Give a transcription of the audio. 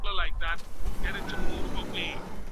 که د سبزیجاتو بازارونه پاک وساتل سي، نو مچان نه پیدا کیږي.